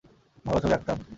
ভালো ছবি আঁকতাম।